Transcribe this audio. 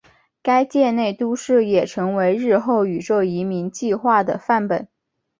该舰内都市也成为日后宇宙移民计画的范本。